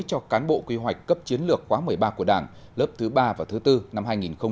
cho cán bộ quy hoạch cấp chiến lược quá một mươi ba của đảng lớp thứ ba và thứ bốn năm hai nghìn hai mươi